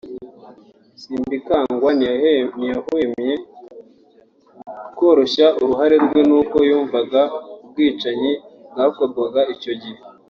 Simbikangwa ntiyahwemye koroshya uruhare rwe n’uko yumvaga ubwicanyi bwakorwaga icyo gihe